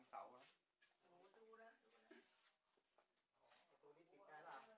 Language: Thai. หลังเสาร์ครับ